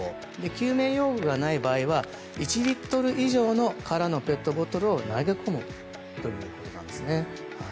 救命用具がない場合は１リットル以上の空のペットボトルを投げ込むということなんですね。